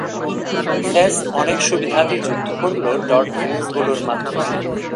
স্যাস অনেক সুবিধাদি যুক্ত করল ডট-রিলিজগুলোর মাধ্যমে।